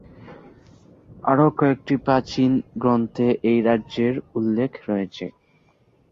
আরও কয়েকটি প্রাচীন গ্রন্থে এই রাজ্যের উল্লেখ রয়েছে।